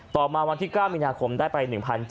ต่อมาวันที่๙มีนาคมได้ไป๑๗๐